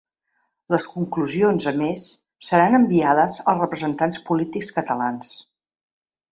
Les conclusions, a més, seran enviades als representants polítics catalans.